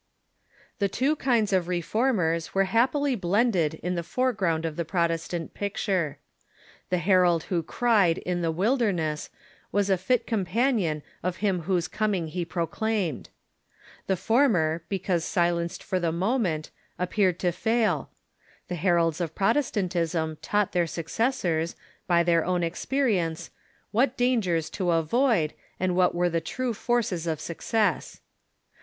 The two kinds of Reformers Avere happily blended in the foreground of the Protestant picture. The herald who cried "in the Avilderness" was a fit companion of him Two Kinds of ^yijQge coming he proclaimed. The former, because Reformers •, r Silenced for the moment, appeared to fail. The her alds of Protestantism taught their successors, by their own ex perience, Avhat dangers to avoid, and Avhat Avere the true forces of success.